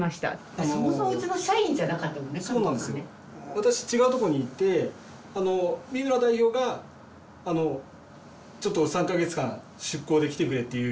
私違うとこにいて三村代表がちょっと３か月間出向で来てくれっていう。